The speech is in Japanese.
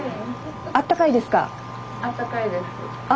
あったかいですか？